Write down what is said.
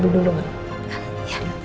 itu orang yang jadi agm